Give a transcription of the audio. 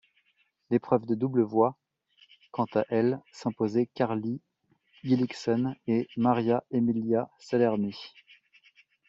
L'épreuve de double voit quant à elle s'imposer Carly Gullickson et María Emilia Salerni.